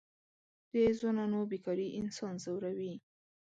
د ځوانانو بېکاري انسان ځوروي.